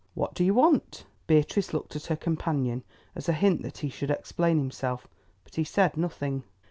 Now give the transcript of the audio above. What do you want?" Beatrice looked at her companion as a hint that he should explain himself, but he said nothing.